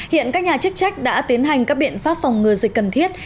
hiện các nhà chức trách đã tiến hành các biện pháp phòng ngừa dịch cần thiết